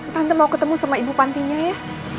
tante mau ketemu sama ibu pantinya ya